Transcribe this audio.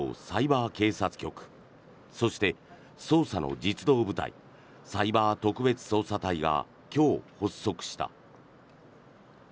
サイバー警察局そして、捜査の実動部隊サイバー特別捜査隊が今日、発足した。